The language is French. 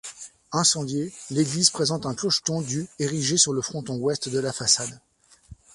Incendiée, l'église présente un clocheton du érigé sur le fronton ouest de la façade.